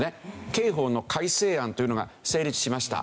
刑法の改正案というのが成立しました。